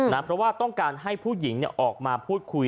เพราะว่าต้องการให้ผู้หญิงออกมาพูดคุย